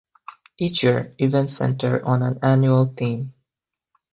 Each year, events center on an annual theme.